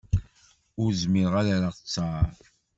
Ur zmireɣ ad d-erreɣ ttaṛ.